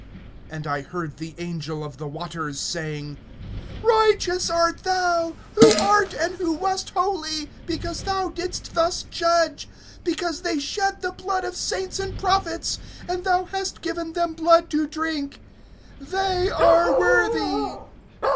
(5)And I heard the angel of the waters saying: Righteous art thou, who art and who wast holy, because thou didst thus judge; (6)because they shed the blood of saints and prophets, and thou hast given them blood to drink. They are worthy.